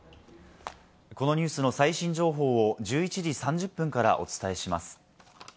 このニュースの最新情報を１１時３０分からお伝えします。